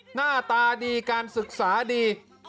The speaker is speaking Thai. หน้าตาดีการศึกษาดี